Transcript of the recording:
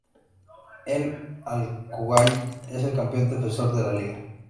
El Al Kuwait es el campeón defensor de la liga.